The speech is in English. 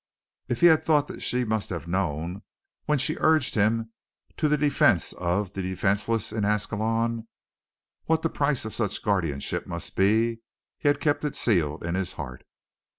If he had a thought that she must have known when she urged him to the defense of the defenseless in Ascalon, what the price of such guardianship must be, he kept it sealed in his heart.